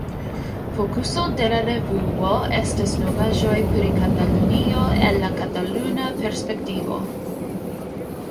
Fokuso de la revuo estas novaĵoj pri Katalunio el la kataluna perspektivo.